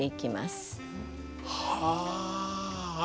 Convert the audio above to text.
はあ。